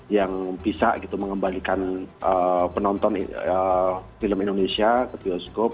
yang bisa gitu mengembalikan penonton film indonesia ke bioskop